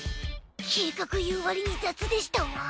「計画」言う割に雑でしたわ。